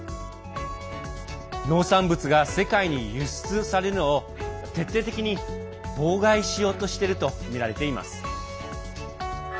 農産物が世界に輸出されるのを徹底的に妨害しようとしているとみられています。